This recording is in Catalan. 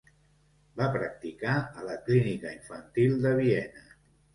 Va practicar a la clínica infantil de Viena.